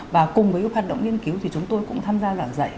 và cùng với hoạt động nghiên cứu thì chúng tôi cũng tham gia giảng dạy